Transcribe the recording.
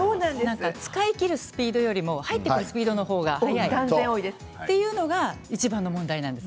使い切るスピードより入ってくるスピードの方が多いのがいちばんの問題なんです。